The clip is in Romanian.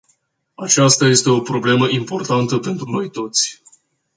Aceasta este o problemă importantă pentru noi toți.